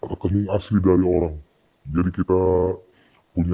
rekening asli dari orang